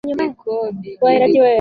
rfi imemtafuta ojwang kina